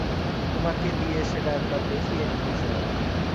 তোমাকে দিয়ে সেটা একবার দেখিয়ে নিতে চাই।